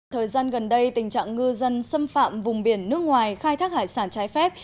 thời gian gần đây tình trạng ngư dân xâm phạm vùng biển nước ngoài khai thác hải sản trái phép